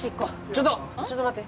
ちょっとちょっと待って